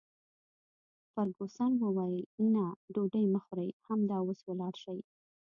فرګوسن وویل: نه، ډوډۍ مه خورئ، همدا اوس ولاړ شئ.